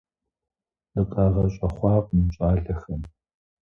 ДыкъагъэщӀэхъуакъым щӀалэхэм.